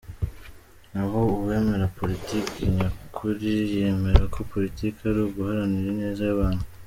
Naho uwemera politike nyakuri yemera ko politike ari uguharanira ineza y’abantu.